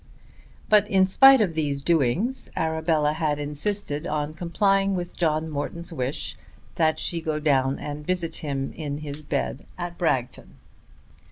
But, in spite of these doings, Arabella had insisted on complying with John Morton's wish that she go down and visit him in his bed at Bragton.